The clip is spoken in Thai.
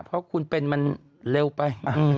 เพราะคุณเป็นมันเร็วไป